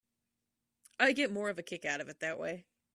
I get more of a kick out of it that way.